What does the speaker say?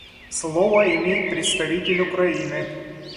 Слово имеет представитель Украины.